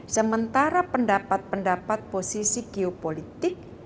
sementara pendapat pendapat posisi geopolitik